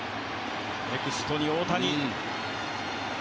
ネクストに大谷。